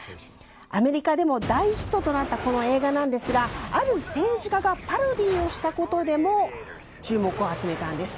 アメリカでも大ヒットとなったこの映画ですがある政治家がパロディーをしたことでも注目を集めたんです。